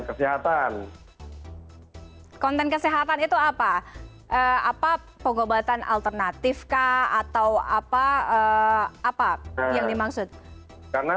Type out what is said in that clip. kesehatan konten kesehatan itu apa apa pengobatan alternatif kah atau apa apa yang dimaksud karena